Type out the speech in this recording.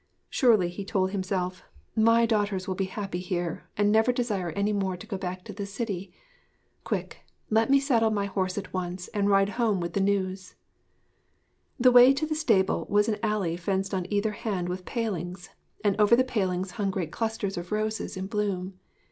'Surely,' he told himself, 'my daughters will be happy here and never desire any more to go back to the city. Quick! Let me saddle my horse at once and ride home with the news!' The way to the stable was an alley fenced on either hand with palings, and over the palings hung great clusters of roses in bloom.